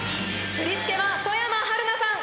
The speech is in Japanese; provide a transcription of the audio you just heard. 振り付けは外山晴菜さん。